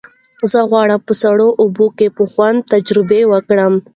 زه غواړم په سړو اوبو کې په خوند تجربه وکړم.